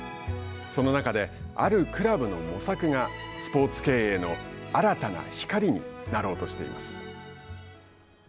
その中で、あるクラブの模索がスポーツ経営の新たな光になろうとしています。